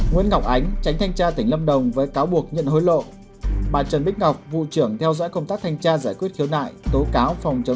nguyễn ngọc ánh tránh thanh tra tỉnh lâm đồng với cáo buộc nhận hối lộ